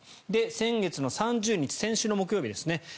先月３０日先週の木曜日ですね